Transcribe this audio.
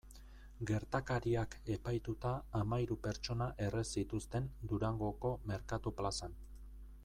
Gertakariak epaituta hamahiru pertsona erre zituzten Durangoko merkatu plazan.